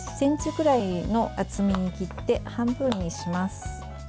１ｃｍぐらいの厚みに切って半分にします。